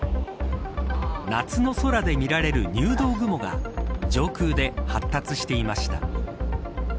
夏の空でみられる入道雲が上空で発達していました。